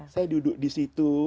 saya duduk disitu